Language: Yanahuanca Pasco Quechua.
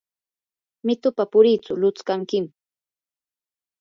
mitupa puritsu lutskankiymi.